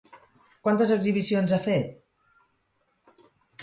Quantes exhibicions ha fet?